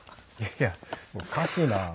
いやあおかしいな。